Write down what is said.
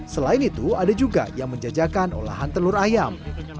selain itu ada juga yang menjajakan olahan telur ayam